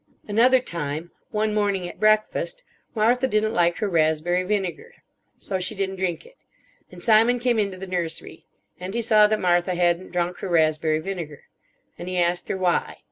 "Another time. One morning at breakfast. Martha didn't like her raspberry vinegar. So she didn't drink it. And Simon came into the nursery. And he saw that Martha hadn't drunk her raspberry vinegar. And he asked her why.